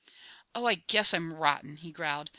"Oh, I guess I'm rotten!" he growled.